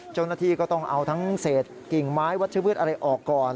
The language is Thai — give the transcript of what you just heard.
เจ้าหน้าที่ก็ต้องเอาทั้งเศษกิ่งไม้วัชพืชอะไรออกก่อน